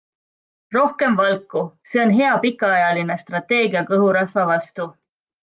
Rohkem valku - see on hea pikaajaline strateegia kõhurasva vastu.